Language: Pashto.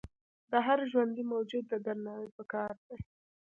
د هر ژوندي موجود درناوی پکار دی.